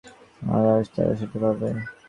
আর আজ, তারা সেটা পাবে।